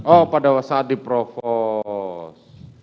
oh pada saat dipropos